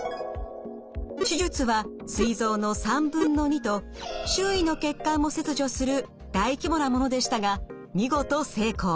手術はすい臓の３分の２と周囲の血管も切除する大規模なものでしたが見事成功。